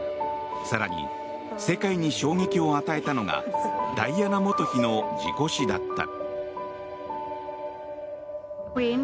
更に、世界に衝撃を与えたのがダイアナ元妃の事故死だった。